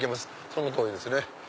その通りですね。